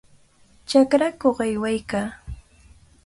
Chakrakuq aywaykaa.